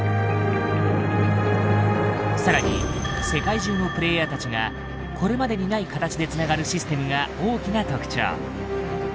更に世界中のプレイヤーたちがこれまでにない形でつながるシステムが大きな特徴。